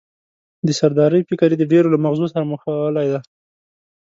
د سردارۍ فکر یې د ډېرو له مغزو سره مښلولی دی.